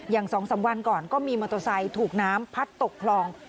๒๓วันก่อนก็มีมอเตอร์ไซค์ถูกน้ำพัดตกคลอง